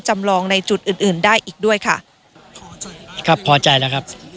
จำลองในจุดอื่นอื่นได้อีกด้วยค่ะพอใจครับพอใจแล้วครับ